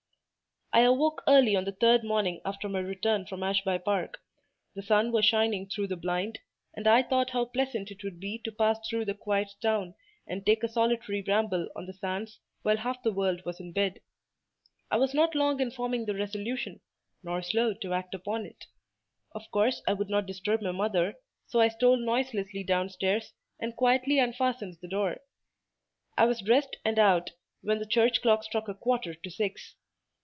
I awoke early on the third morning after my return from Ashby Park—the sun was shining through the blind, and I thought how pleasant it would be to pass through the quiet town and take a solitary ramble on the sands while half the world was in bed. I was not long in forming the resolution, nor slow to act upon it. Of course I would not disturb my mother, so I stole noiselessly downstairs, and quietly unfastened the door. I was dressed and out, when the church clock struck a quarter to six.